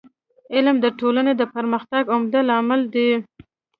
علم د ټولني د پرمختګ عمده لامل دی.